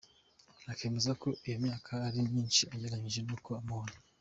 Akemeza ko iyo myaka ari myinshi agereranyije n’uko amubona.